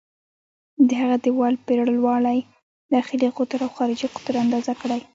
د هغه د دیوال پرېړوالی، داخلي قطر او خارجي قطر اندازه کړئ.